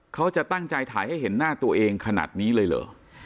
เขาจะตั้งใจถ่ายให้เห็นหน้าตัวเองขนาดนี้เลยเหรอ